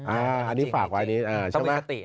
อันนี้ฝากไว้นี่ต้องมีสติ